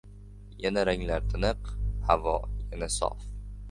Yana ranglar tiniq, havo yana sof